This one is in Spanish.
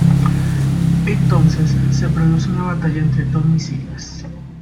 Entonces se produce una batalla entre Tom y Silas.